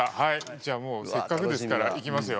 じゃあせっかくですからいきますよ。